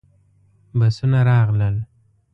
بسونه راغلل.